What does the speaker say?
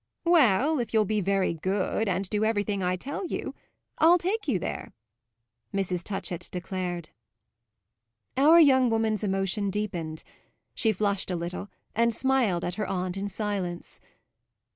"Well, if you'll be very good, and do everything I tell you I'll take you there," Mrs. Touchett declared. Our young woman's emotion deepened; she flushed a little and smiled at her aunt in silence.